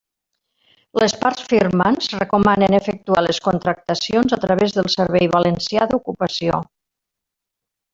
Les parts firmants recomanen efectuar les contractacions a través del Servei Valencià d'Ocupació.